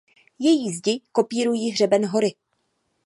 Její zdi kopírují hřeben hory.